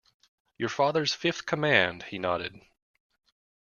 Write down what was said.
Your father's fifth command, he nodded.